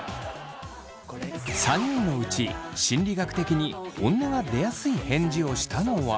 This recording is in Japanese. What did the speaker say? ３人のうち心理学的に本音がでやすい返事をしたのは。